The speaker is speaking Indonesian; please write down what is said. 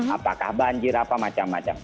apakah banjir apa macam macam